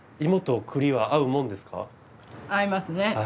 合いますね